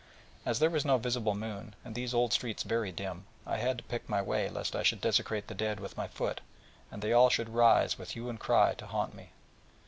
As there was no visible moon, and these old streets very dim, I had to pick my way, lest I should desecrate the dead with my foot, and they all should rise with hue and cry to hunt me.